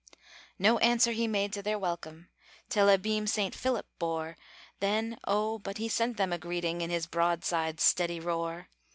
No answer he made to their welcome, Till abeam Saint Philip bore, Then, oh, but he sent them a greeting In his broadsides' steady roar!